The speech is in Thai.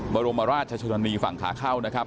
บรมราชชนนีฝั่งขาเข้านะครับ